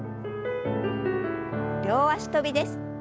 両脚跳びです。